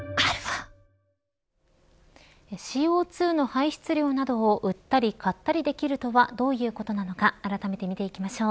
ＣＯ２の排出量などを売ったり買ったりできるとはどういうことなのかあらためて見ていきましょう。